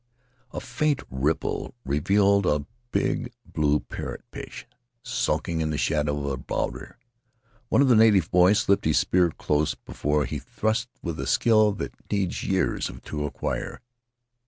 A faint ripple re vealed a big blue parrot fish skulking in the shadow of a bowlder; one of the native boys slipped his spear close before he thrust with a skill that needs years to acquire.